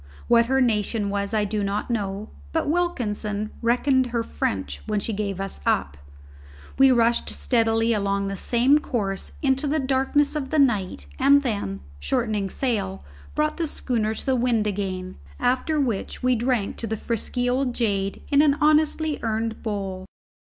What her nation was I did not know; but Wilkinson reckoned her French when she gave us up. We rushed steadily along the same course into the darkness of the night and then, shortening sail, brought the schooner to the wind again, after which we drank to the frisky old jade in an honestly earned bowl.